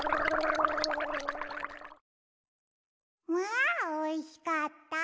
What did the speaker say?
あおいしかった。